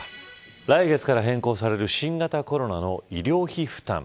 来月から変更される新型コロナの医療費負担。